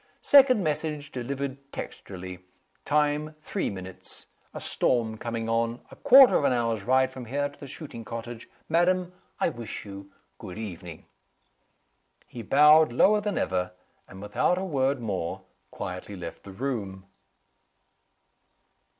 Second message delivered textually. Time, three minutes. A storm coming on. A quarter of an hour's ride from here to the shooting cottage. Madam, I wish you good evening." He bowed lower than ever and, without a word more, quietly left the room.